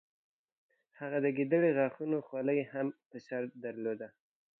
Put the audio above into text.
هغه د ګیدړې غاښونو خولۍ هم په سر درلوده.